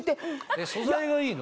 素材がいいの？